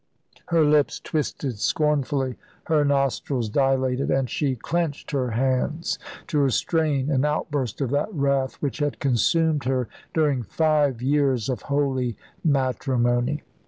Her lips twisted scornfully, her nostrils dilated, and she clenched her hands to restrain an outburst of that wrath which had consumed her during five years of holy matrimony.